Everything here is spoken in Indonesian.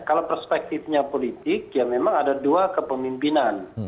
kalau perspektifnya politik ya memang ada dua kepemimpinan